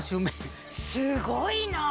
すごいなあ！